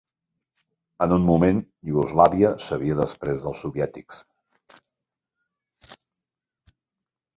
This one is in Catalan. En un moment, Iugoslàvia s'havia desprès dels soviètics.